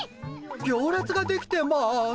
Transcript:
行列ができてます。